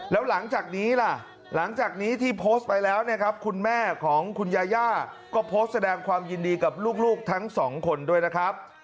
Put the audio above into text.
แล้วหลังจากนี้ล่ะหลังจากนี้ที่โพสต์ไปแล้วเนี่ยครับคุณแม่ของคุณยาย่าก็โพสต์แสดงความยินดีกับลูกทั้งสองคนด้วยนะครับ